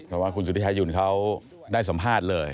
เพราะว่าคุณสุธิชายุ่นเขาได้สัมภาษณ์เลย